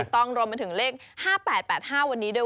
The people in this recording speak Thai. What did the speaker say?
ต้องรวมไปถึงเลข๕๘๘๕วันนี้ด้วย